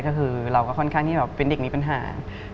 ก็คือเราก็ค่อนข้างที่แบบเป็นเด็กมีปัญหา